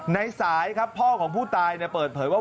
ในสายครับพ่อของผู้ตายเปิดเผยว่า